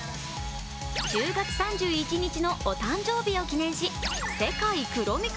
１０月３１日のお誕生日を記念し、世界クロミ化